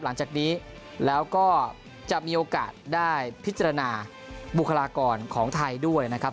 หลังจากนี้แล้วก็จะมีโอกาสได้พิจารณาบุคลากรของไทยด้วยนะครับ